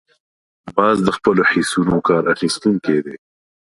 باز د خپلو حسونو کار اخیستونکی دی